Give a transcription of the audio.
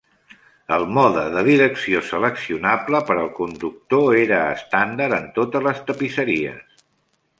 El Mode de Direcció Seleccionable per al Conductor era estàndard en totes les tapisseries.